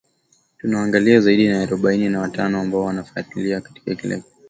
tunawaangalizi zaidi ya arobaini na watano ambao wanafwatilia kila kitu kinachoendelea